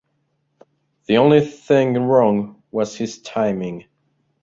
The only thing wrong was his timing.